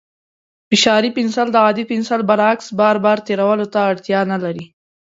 فشاري پنسل د عادي پنسل برعکس، بار بار تېرولو ته اړتیا نه لري.